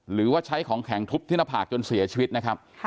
หรือว่าใช้ของแข็งทุบที่หน้าผากจนเสียชีวิตนะครับ